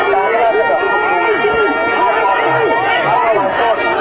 สวัสดีครับ